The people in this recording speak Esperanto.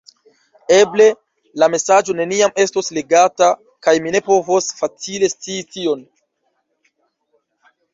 Eble la mesaĝo neniam estos legata, kaj mi ne povos facile scii tion.